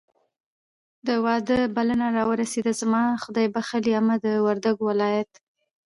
د واده بلنه راورسېده. زما خدایبښلې عمه د وردګو ولایت